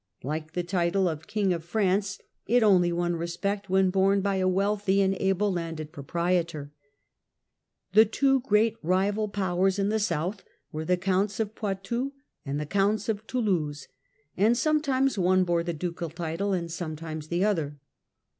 Like the title of King of France, it only won respect when borne by a wealthy and able landed proprietor. The two great rival powers in the south were the Counts Poitou and of Poitou and the Counts of Toulouse, and sometimes one bore the ducal title and sometimes the other.